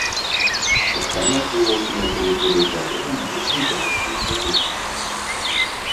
Спатканне адбылося на тэрыторыі завода, на вузкім заводскім двары.